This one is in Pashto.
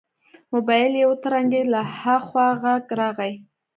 موبايل يې وترنګېد له ها خوا غږ راغی.